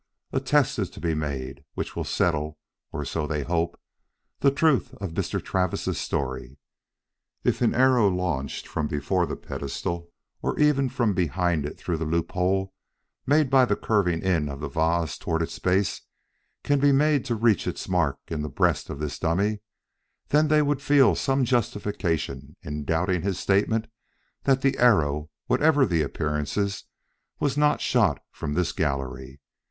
A test is to be made which will settle, or so they hope, the truth of Mr. Travis' story. If an arrow launched from before the pedestal or even from behind it through the loophole made by the curving in of the vase toward its base can be made to reach its mark in the breast of this dummy, then they would feel some justification in doubting his statement that the arrow, whatever the appearances, was not shot from this gallery.